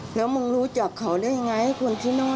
แล้วมึงรู้จักเขาได้อย่างไรคนที่นั่วนะ